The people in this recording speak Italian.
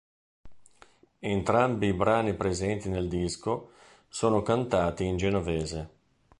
Entrambi i brani presenti nel disco sono cantati in genovese.